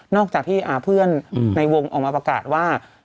อกจากที่เพื่อนในวงออกมาประกาศว่า